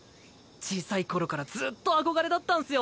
小さい頃からずっと憧れだったんすよ